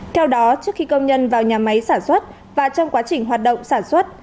theo đó trước khi công nhân vào nhà máy sản xuất và trong quá trình hoạt động sản xuất